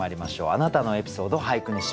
「あなたのエピソード、俳句にします」。